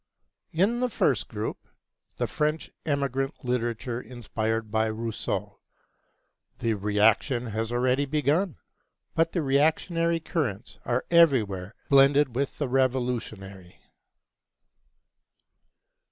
In the first group, the French emigrant literature inspired by Rousseau, the reaction has already begun, but the reactionary currents are everywhere blended with the revolutionary.